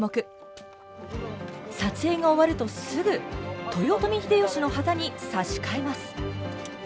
撮影が終わるとすぐ豊臣秀吉の旗に差し替えます。